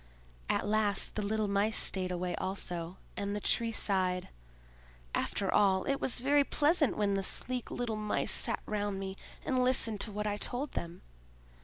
At last the little Mice stayed away also; and the Tree sighed: "After all, it was very pleasant when the sleek little Mice sat round me and listened to what I told them.